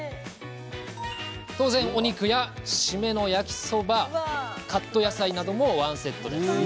当然、お肉や締めの焼きそばカット野菜なども１セット。